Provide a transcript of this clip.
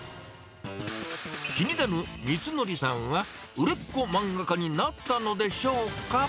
気になるみつのりさんは、売れっ子漫画家になったのでしょうか。